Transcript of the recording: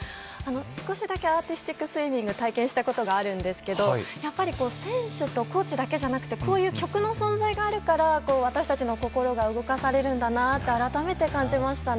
少しだけアーティスティックスイミングを体験したことがあるんですがやっぱり選手とコーチだけじゃなくてこういう曲の存在があるから私たちの心が動かされるんだなと改めて感じましたね。